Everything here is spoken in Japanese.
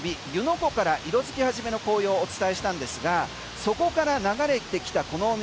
湖から色づき始めの紅葉をお伝えしたんですがそこから流れてきたこのお水。